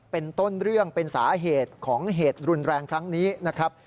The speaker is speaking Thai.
เป็นต้นเรื่องเป็นสาเหตุของเหตุรุนแรงครั้งนี้นะครับ